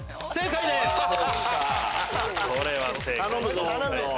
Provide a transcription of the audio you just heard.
・これは正解です。